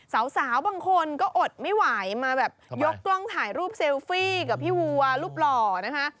สาวบางคนก็อดไม่ไหวมาแบบยกกล้องถ่ายรูปเซลฟี่กับพี่วัวรูปหล่อนะคะ